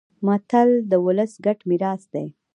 متل د ولس ګډ میراث دی